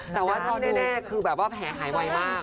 แต่ว่าเท่าแน่คือแบบว่าแผลหายไวมาก